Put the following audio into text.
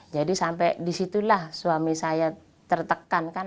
jadi sampai di situlah suami saya tertekan kan